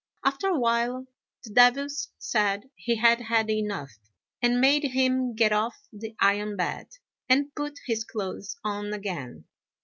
After a while the devils said he had had enough, and made him get off the iron bed, and put his clothes on again.